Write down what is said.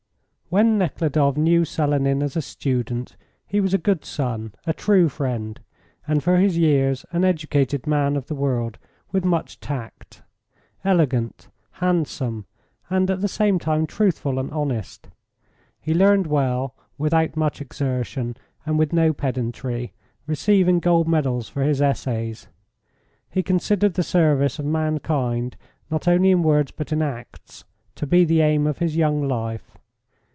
When Nekhludoff knew Selenin as a student, he was a good son, a true friend, and for his years an educated man of the world, with much tact; elegant, handsome, and at the same time truthful and honest. He learned well, without much exertion and with no pedantry, receiving gold medals for his essays. He considered the service of mankind, not only in words but in acts, to be the aim of his young life.